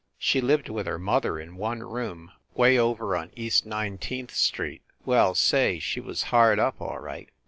She lived with her mother in one room way over on East Nineteenth Street. Well, say, she was hard up, all right.